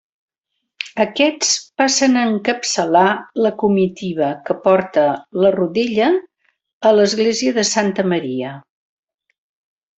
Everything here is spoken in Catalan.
Aquests passen a encapçalar la comitiva, que porta la Rodella a l'església de Santa Maria.